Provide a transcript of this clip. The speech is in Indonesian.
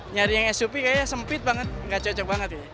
nyari yang suv kayaknya sempit banget gak cocok banget ya